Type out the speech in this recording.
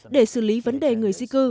để xử lý vấn đề người di cư